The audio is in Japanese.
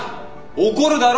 怒るだろ？